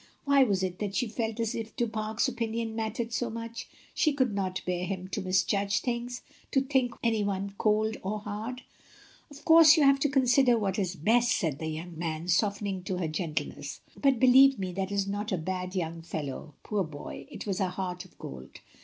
Why was it that she felt as if Du Fare's opinion mattered so much? She could not bear him to misjudge things; to think any one cold, or hard. "Of course you have to consider what is best," said the young man, softening to her gentleness; but believe me that is not a bad young fellow. Poor boy, it was a heart of gold.